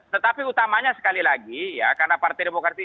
tetapi utamanya sekali lagi karena partai demokrati